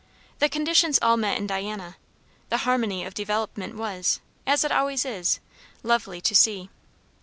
The conditions all met in Diana; the harmony of development was, as it always is, lovely to see.